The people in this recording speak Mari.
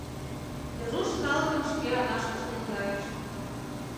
Веруш калыкым шке аҥашкыже наҥгайыш.